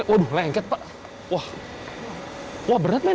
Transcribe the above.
waduh lengket pak wah berat main